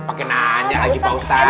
pakin aja lagi pak ustadz